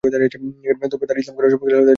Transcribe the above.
তার ইসলাম গ্রহণের সময়কাল জানা যায়না।